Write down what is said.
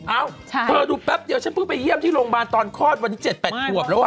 เอ้าเธอดูแป๊บเดียวฉันเพิ่งไปเยี่ยมที่โรงพยาบาลตอนคลอดวันที่๗๘ขวบแล้วอ่ะ